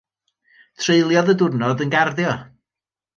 Treuliodd y diwrnod yn garddio.